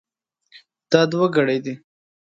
دا دوه ګړۍ دي.